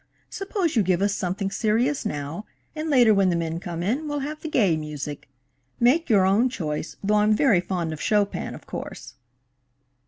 Suppose you give us something serious now, and later, when the men come in, we'll have the gay music. Make your own choice, though I'm very fond of Chopin, of course."